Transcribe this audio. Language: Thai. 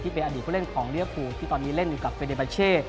เป็นอดีตผู้เล่นของเรียภูที่ตอนนี้เล่นอยู่กับเฟเดบาเช่